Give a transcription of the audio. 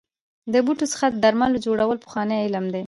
د بوټو څخه د درملو جوړول پخوانی علم دی.